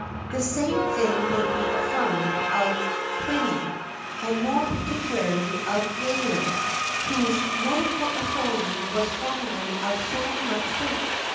The same thing may be affirmed of Pliny,[XIII 16] and more particularly of Galen, whose medical authority was formerly of so much weight.